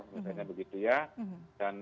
dan masa depan